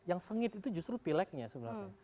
yang sengit itu justru pileknya sebenarnya